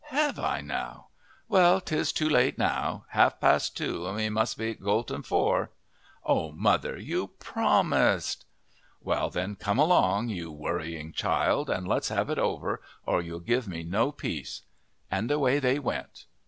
"Have I now! Well, 'tis too late now half past two, and we must be't' Goat' at four." "Oh, mother, you promised!" "Well, then, come along, you worriting child, and let's have it over or you'll give me no peace"; and away they went.